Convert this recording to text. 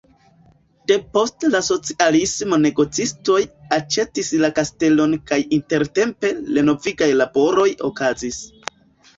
Depost la socialismo negocistoj aĉetis la kastelon kaj intertempe renovigaj laboroj okazis.